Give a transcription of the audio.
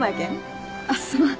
あっすまん